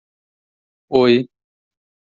Oi.